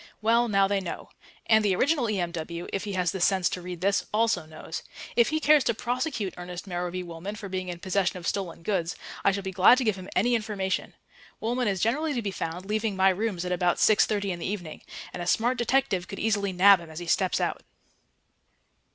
Well, now they know. And the original E.M.W., if he has the sense to read this, also knows. If he cares to prosecute Ernest Merrowby Woolman for being in possession of stolen goods, I shall be glad to give him any information. Woolman is generally to be found leaving my rooms at about 6.30 in the evening, and a smart detective could easily nab him as he steps out.